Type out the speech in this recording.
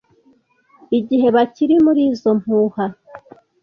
Igihe bakiri muri izo mpuha,